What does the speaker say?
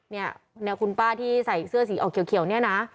เนี่ยคุณป้าที่ใส่เสื้อสีออกเขียวเนี่ยนะ